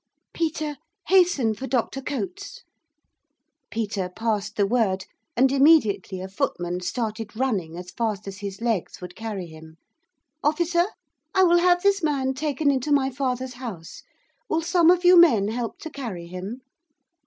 'Peter, hasten for Dr Cotes.' Peter passed the word, and immediately a footman started running as fast as his legs would carry him. 'Officer, I will have this man taken into my father's house. Will some of you men help to carry him?